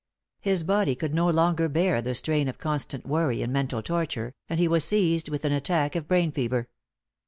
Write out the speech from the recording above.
His body could no longer bear the strain of constant worry and mental torture, and he was seized with an attack of brain fever.